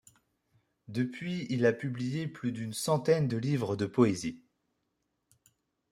Depuis il a publié plus d'une centaine de livres de poésie.